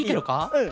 うん。